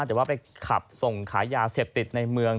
แต่ว่าไปขับส่งขายยาเสพติดในเมือง